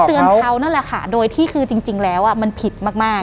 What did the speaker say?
เตือนเขานั่นแหละค่ะโดยที่คือจริงแล้วมันผิดมาก